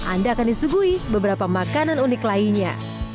anda akan disuguhi beberapa makanan unik lainnya